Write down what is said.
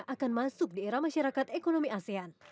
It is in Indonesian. akan masuk di era masyarakat ekonomi asean